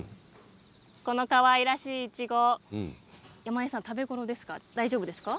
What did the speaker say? このかわいらしいいちご山根さん、食べ頃ですか？